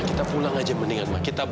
kita pulang saja mak